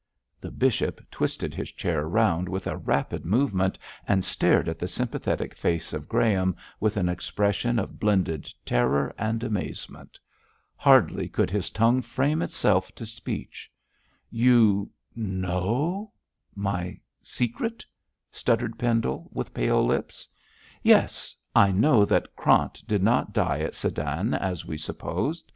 The bishop twisted his chair round with a rapid movement and stared at the sympathetic face of Graham with an expression of blended terror and amazement. Hardly could his tongue frame itself to speech. 'You know my secret!' stuttered Pendle, with pale lips. 'Yes, I know that Krant did not die at Sedan as we supposed.